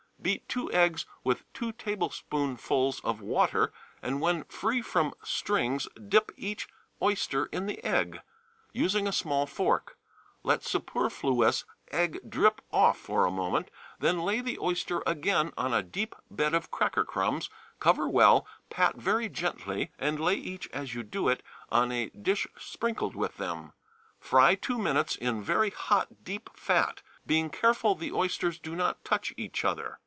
Beat two eggs with two tablespoonfuls of water, and when free from strings dip each oyster in the egg, using a small fork; let superfluous egg drip off for a moment, then lay the oyster again on a deep bed of cracker crumbs, cover well, pat very gently, and lay each as you do it on a dish sprinkled with them. Fry two minutes in very hot deep fat, being careful the oysters do not touch each other.